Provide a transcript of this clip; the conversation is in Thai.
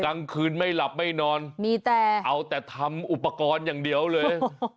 กลางคืนไม่หลับไม่นอนมีแต่เอาแต่ทำอุปกรณ์อย่างเดียวเลย